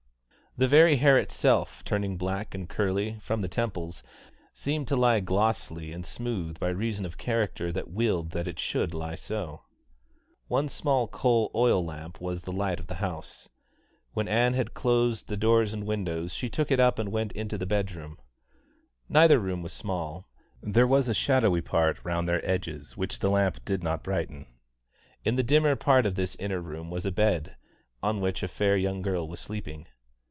The very hair itself, turning black and curly, from the temples, seemed to lie glossy and smooth by reason of character that willed that it should lie so. One small coal oil lamp was the light of the house. When Ann had closed doors and windows she took it up and went into the bedroom. Neither room was small; there was a shadowy part round their edges which the lamp did not brighten. In the dimmer part of this inner room was a bed, on which a fair young girl was sleeping.